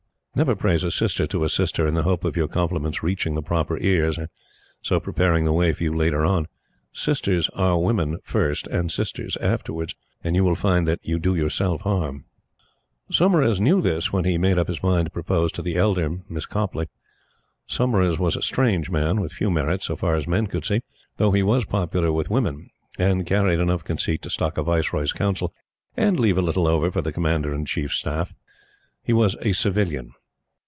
Never praise a sister to a sister, in the hope of your compliments reaching the proper ears, and so preparing the way for you later on. Sisters are women first, and sisters afterwards; and you will find that you do yourself harm. Saumarez knew this when he made up his mind to propose to the elder Miss Copleigh. Saumarez was a strange man, with few merits, so far as men could see, though he was popular with women, and carried enough conceit to stock a Viceroy's Council and leave a little over for the Commander in Chief's Staff. He was a Civilian.